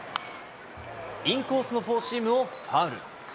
インコースのフォーシームをファウル。